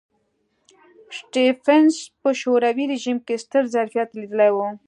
سټېفنس په شوروي رژیم کې ستر ظرفیت لیدلی و